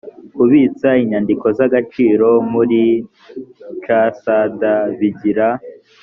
kubitsa inyandiko z agaciro muri csd bigira